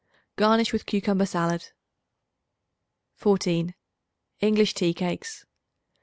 Garnish with cucumber salad. 14. English Tea Cakes.